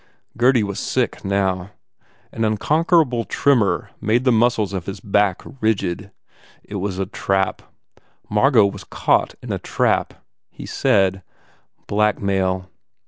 Gurdy was sick, now. An unconquerable tremor made the muscles of his back rigid. It was a trap. Margot was caught in a trap. He said, "Blackmail."